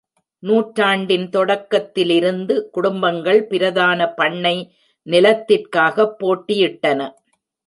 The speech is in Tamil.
நூற்றாண்டின் தொடக்கத்திலிருந்து, குடும்பங்கள் பிரதான பண்ணை நிலத்திற்காக போட்டியிட்டன.